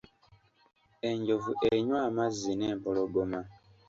Enjovu enywa amazzi n'empologoma.